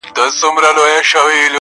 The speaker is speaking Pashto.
د خپل کور په پرتله ډېر ټشو